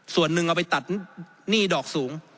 ส่วนหนึ่งเอาไปตัดหนี้ดอกสูง